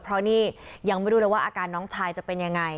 เพราะนี่ยังไม่รู้เลยว่าอาการน้องชายจะเป็นยังไง